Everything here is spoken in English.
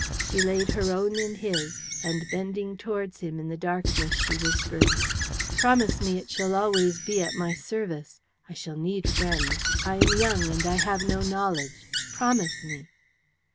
She laid her own in his, and bending towards him in the darkness she whispered, "Promise me it shall always be at my service. I shall need friends. I am young, and I have no knowledge. Promise me!"